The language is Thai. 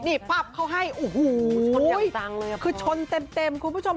นี่ปั๊บเขาให้โอ้โหคือชนเต็มคุณผู้ชม